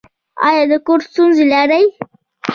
ایا د کور ستونزې لرئ؟